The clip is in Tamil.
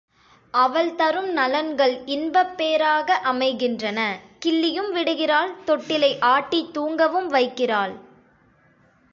அவள் தரும் நலன்கள் இன்பப் பேறாக அமைகின்றன. கிள்ளியும் விடுகிறாள் தொட்டிலை ஆட்டித் தூங்கவும் வைக்கிறாள்.